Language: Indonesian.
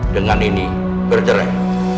dengan ini bercerai